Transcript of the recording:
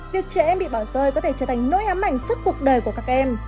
đứa trẻ em bị bảo rơi có thể trở thành nỗi ám ảnh suốt cuộc đời của các em